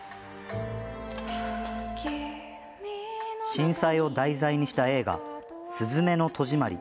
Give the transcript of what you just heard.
震災を題材にした映画「すずめの戸締まり」。